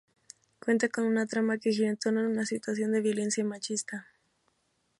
Cuenta con una trama que gira en torno a una situación de violencia machista.